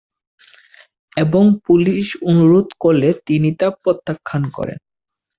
এবং পুলিশ অনুরোধ করলে তিনি তা প্রত্যাখ্যান করেন।